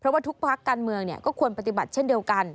เพราะว่าทุกพักการเมืองก็ควรปฏิบัติเช่นเดียวกัน